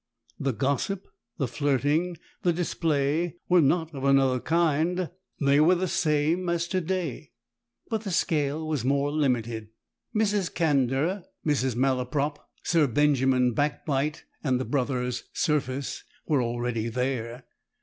The gossip, the flirting, the display were not of another kind, they were the same as to day, but the scale was more limited. Mrs. Candour, Mrs. Malaprop, Sir Benjamin Backbite, and the brothers Surface were already there.